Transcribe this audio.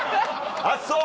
あっそう。